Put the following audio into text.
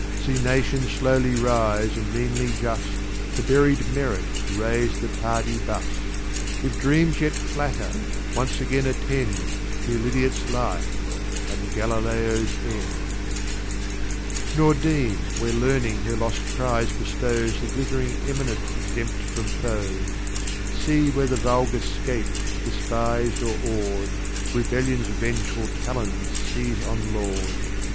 See Nations slowly wise, and meanly just; To buried Merit raise the tardy Bust. If Dreams yet flatter, once again attend, Hear Lydiat's Life, and Galileo's End. [Footnote g: Ver. 114 132.] Nor deem, when Learning her lost Prize bestows The glitt'ring Eminence exempt from Foes; See when the Vulgar 'scap'd, despis'd or aw'd, Rebellion's vengeful Talons seize on Laud.